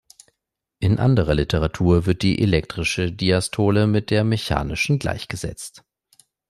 In anderer Literatur wird die elektrische Diastole mit der mechanischen gleichgesetzt.